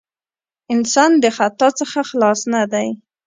انسان د خطاء څخه خلاص نه دی.